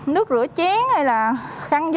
nước rửa chén hay là